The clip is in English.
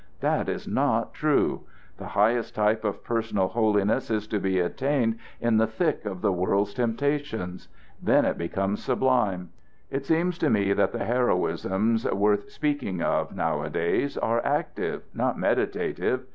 That is not true. The highest type of personal holiness is to be attained in the thick of the world's temptations. Then it becomes sublime. It seems to me that the heroisms worth speaking of nowadays are active, not meditative.